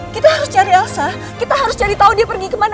kita harus cari elsa kita harus cari tahu dia pergi kemana